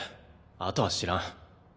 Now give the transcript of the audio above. あとは知らん。